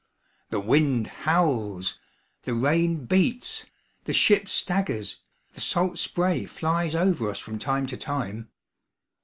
The wind howls, the rain beats, the ship staggers, the salt spray flies over us from time to time.